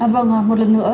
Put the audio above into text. vâng ạ một lần nữa